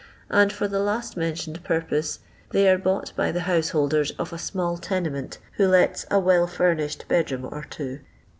and for the last mentioned purpose they are bought by the householders of a small tenement who let a "well furnished " bed room or two.